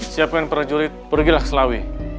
siapkan para jurid pergilah ke selawi